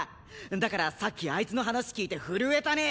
だからさっきあいつの話聞いて震えたね！